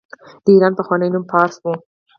د ایران پخوانی نوم فارس و.